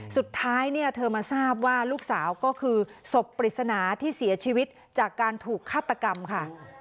สุดท้ายเนี่ยเธอมาทราบว่าลูกสาวก็คือศพปริศนาที่เสียชีวิตจากการถูกฆาตกรรมค่ะ